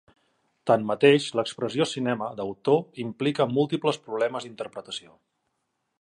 Tanmateix, l'expressió cinema d'autor implica múltiples problemes d'interpretació.